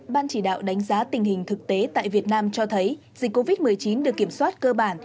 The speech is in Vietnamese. ban chỉ đạo đánh giá tình hình thực tế tại việt nam cho thấy dịch covid một mươi chín được kiểm soát cơ bản